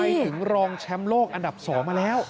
ถึงรองแชมป์โลกอันดับ๒มาแล้ว